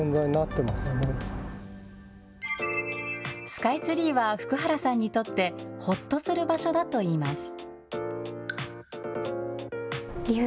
スカイツリーは福原さんにとってほっとする場所だといいます。